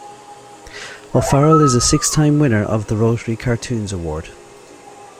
O'Farrell is a six-time winner of the Rotary cartoons award.